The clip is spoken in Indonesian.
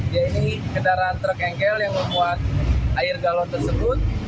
yaitu kendaraan truk engkel yang memuat air galon tersebut